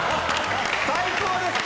最高です！